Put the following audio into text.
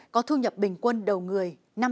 có thu nhập bình quân đầu người